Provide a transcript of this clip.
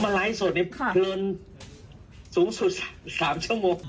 มาลัยสดนิดเกินสูงสุด๓ชั่วโมง